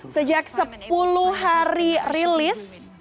sejak sepuluh hari rilis